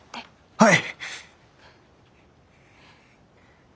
はい！